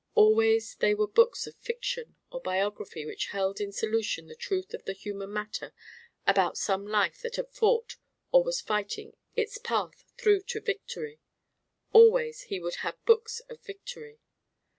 Always they were books of fiction or biography which held in solution the truth of the human matter about some life that had fought or was fighting its path through to victory. Always he would have books of victory.